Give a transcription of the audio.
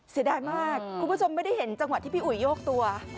เสียดายมากคุณผู้ชมไม่ได้เห็นจังหวะที่พี่อุ๋ยโยกตัว